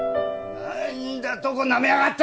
何だとなめやがって！